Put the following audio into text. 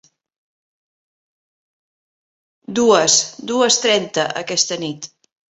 Dues, dues trenta, aquesta nit.